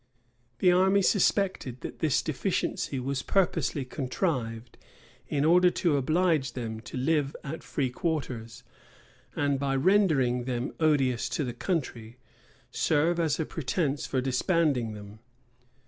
The army suspected that this deficiency was purposely contrived in order to oblige them to live at free quarters; and, by rendering them odious to the country, serve as a pretence for disbanding them.